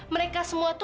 mereka semua tuh